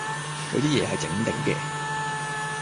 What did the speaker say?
有啲野係整定嘅